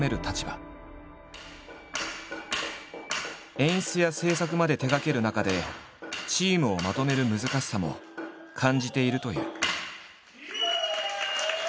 演出や制作まで手がける中でチームをまとめる難しさも感じているという。